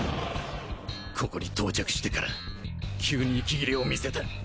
ここに到着してから急に息切れを見せた。